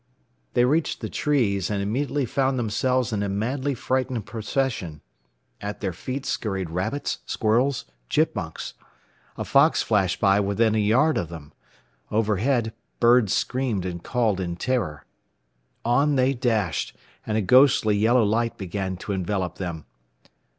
They reached the trees, and immediately found themselves in a madly frightened procession. At their feet scurried rabbits, squirrels, chipmunks. A fox flashed by within a yard of them. Overhead, birds screamed and called in terror. On they dashed, and a ghostly yellow light began to envelop them.